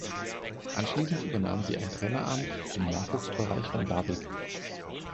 Anschließend übernahm sie ein Traineramt im Nachwuchsbereich von Larvik.